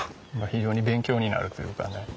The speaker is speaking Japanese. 非常に勉強になるというかね。